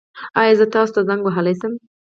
ایا زه تاسو ته زنګ وهلی شم؟